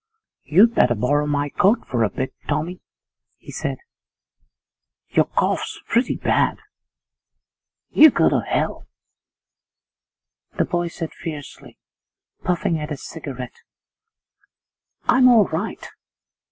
'You'd better borrow my coat for a bit, Tommy,' he said, 'your cough's pretty bad.' 'You go to hell!' the boy said fiercely, puffing at his cigarette; 'I'm all right.